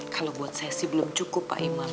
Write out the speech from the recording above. kalau buat saya sih belum cukup pak imam